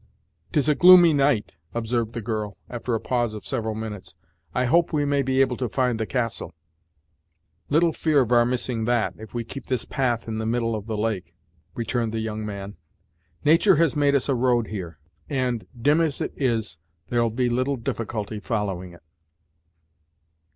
"'Tis a gloomy night " observed the girl, after a pause of several minutes "I hope we may be able to find the castle." "Little fear of our missing that, if we keep this path in the middle of the lake," returned the young man. "Natur' has made us a road here, and, dim as it is, there'll be little difficulty following it."